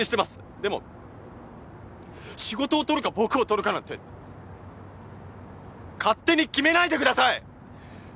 でも仕事を取るか僕を取るかなんて勝手に決めないでください！